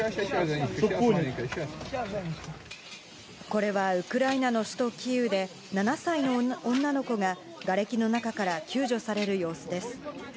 これはウクライナの首都キーウで、７歳の女の子が、がれきの中から救助される様子です。